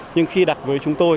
nhưng khi đặt với chúng tôi